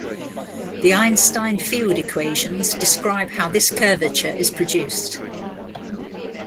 The Einstein field equations describe how this curvature is produced.